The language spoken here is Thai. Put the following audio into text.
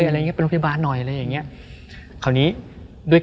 อะไรอย่างเงี้ไปโรงพยาบาลหน่อยอะไรอย่างเงี้ยคราวนี้ด้วย